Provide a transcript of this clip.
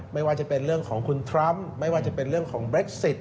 ไม่ว่าจะเป็นเรื่องของคุณทรัมป์ไม่ว่าจะเป็นเรื่องของเบรคซิต